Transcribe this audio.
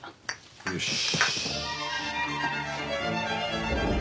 よし。